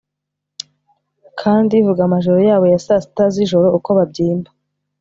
kandi vuga amajoro yabo ya saa sita z'ijoro uko babyimba;